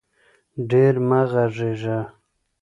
ډېر مه غږېږه